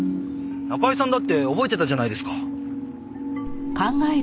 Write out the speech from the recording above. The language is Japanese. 仲居さんだって覚えてたじゃないですか。